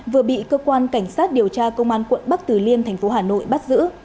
vừa bị cơ quan cảnh sát điều tra công an quận bắc tử liên tp hà nội bắt giữ